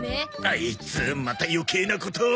アイツまた余計なことを。